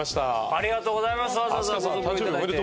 ありがとうございます。